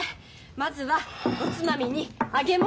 まずはおつまみに揚げ物。